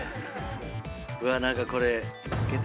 うわっ何かこれ。